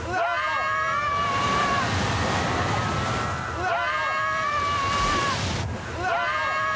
・うわ！